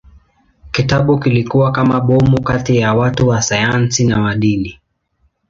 Kitabu kilikuwa kama bomu kati ya watu wa sayansi na wa dini.